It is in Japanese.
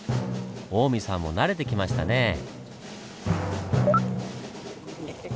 近江さんも慣れてきましたねぇ。